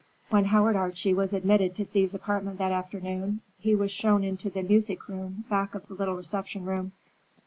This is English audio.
When Howard Archie was admitted to Thea's apartment that afternoon, he was shown into the music room back of the little reception room.